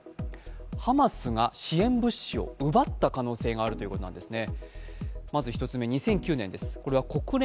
ハマスが支援物資を奪った可能性があるということなんですね。